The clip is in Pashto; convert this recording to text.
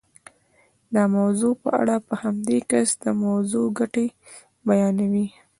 د موضوع په اړه په همدې کس د موضوع ګټې بیانوئ.